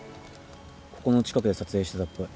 ここの近くで撮影してたっぽい。